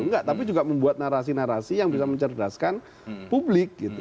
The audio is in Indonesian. enggak tapi juga membuat narasi narasi yang bisa mencerdaskan publik gitu